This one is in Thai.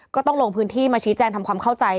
ก็ต้องลงพื้นที่มาชี้แจงทำความเข้าใจ